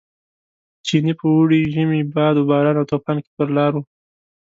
چیني په اوړي، ژمي، باد و باران او توپان کې پر لار و.